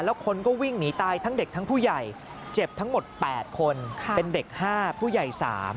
แล้วคนก็วิ่งหนีตายทั้งเด็กทั้งผู้ใหญ่เจ็บทั้งหมด๘คนเป็นเด็ก๕ผู้ใหญ่๓